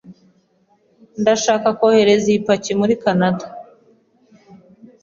Ndashaka kohereza iyi paki muri Kanada.